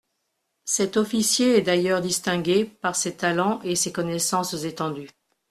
Cet officier est d'ailleurs distingué par ses talens et ses connaissances étendues.